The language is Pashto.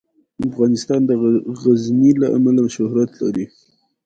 افغانستان د غزني له امله شهرت لري.